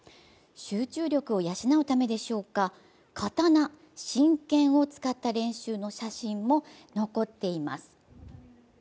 集中力を養うためでしょうか、刀、真剣を使った練習の写真も残っています。